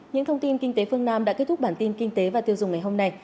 những thông tin kinh tế phương nam đã kết thúc bản tin kinh tế và tiêu dùng ngày hôm nay